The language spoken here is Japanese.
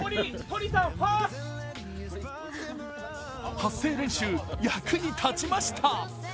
発声練習、役に立ちました。